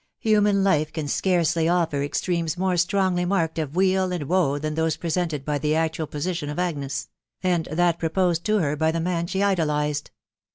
. Human life can scarcely offer extremes more strongly marked of weal and woe than those presented by the actual position of Agnes, and that proposed to her by the man she idolised.